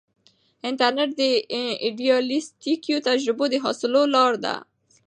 انټرنیټ د ایډیالیسټیکو تجربو د حاصلولو لار ده.